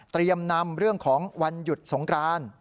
เตรียมนำเรื่องของวันหยุดสงคราน